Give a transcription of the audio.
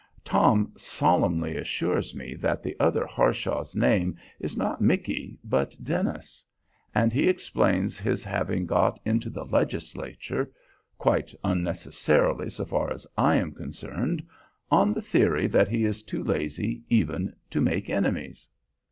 Tom solemnly assures me that the other Harshaw's name is not Micky, but "Denis;" and he explains his having got into the legislature (quite unnecessarily, so far as I am concerned) on the theory that he is too lazy even to make enemies.